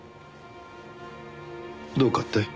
どうかって？